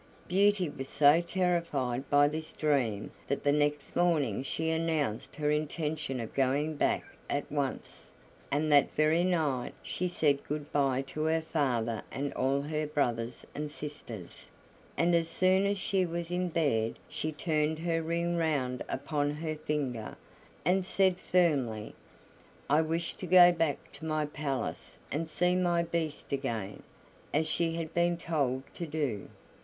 Beauty was so terrified by this dream that the next morning she announced her intention of going back at once, and that very night she said good by to her father and all her brothers and sisters, and as soon as she was in bed she turned her ring round upon her finger, and said firmly, "I wish to go back to my palace and see my Beast again," as she had been told to do.